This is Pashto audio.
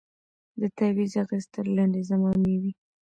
د تعویذ اغېز تر لنډي زمانې وي